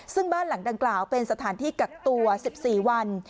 ซึ่งบ้านหลังดังกล่าวเป็นสถานที่กักตัว๑๔วัน